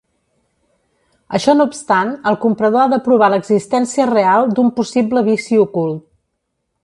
Això no obstant, el comprador ha de provar l'existència real d'un possible vici ocult.